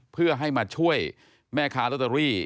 เพื่อให้มาช่วยแม่ค้าลอตเตอรี่